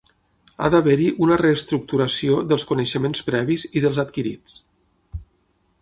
Ha d'haver-hi una reestructuració dels coneixements previs i dels adquirits.